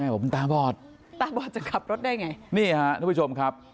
บอกมันตาบอดตาบอดจะขับรถได้ไงนี่ฮะทุกผู้ชมครับ